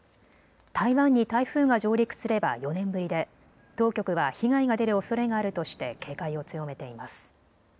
台湾に台風が上陸すれば４年ぶりで当局は被害が出るおそれがあるとして警戒を強めています。